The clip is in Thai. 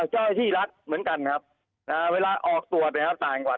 จ่อยที่รัฐเหมือนกันนะครับอ่าเวลาออกตรวจนะครับต่างกว่า